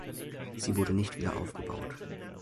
Sie wurde nicht wieder aufgebaut.